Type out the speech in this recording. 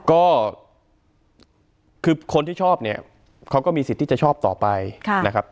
ก็คือคนที่ชอบเนี่ยเขาก็มีสิทธิ์ที่จะชอบต่อไปนะครับ